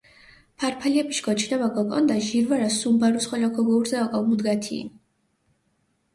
ფარფალიეფიშ გოჩინებაფა გოკონდა, ჟირ ვარა სუმ ბარუს ხოლო ქოგოურზე ოკო მუდგათ იჸინ.